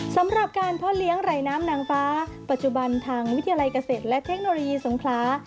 สำหรับการพ่อเลี้ยงไหลน้ำนางฟ้าปัจจุบันทางวิทยาลัยเกษตรและเทคโนโลยีสงครา